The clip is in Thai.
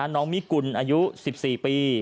น้องมิกุลอายุ๑๔ปี